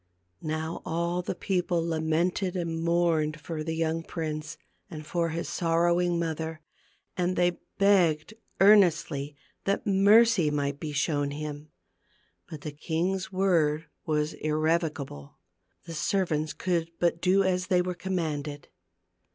Now all the people lamented and mourned for the young prince and for his sorrowing mother, and they begged earnestly that mercy might be shown him. But the king's word was irrevo cable. The servants could but do as they were commanded.